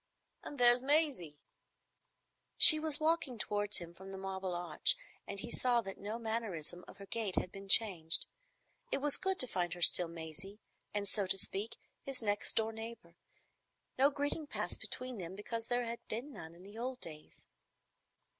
And there's Maisie." She was walking towards him from the Marble Arch, and he saw that no mannerism of her gait had been changed. It was good to find her still Maisie, and, so to speak, his next door neighbour. No greeting passed between them, because there had been none in the old days.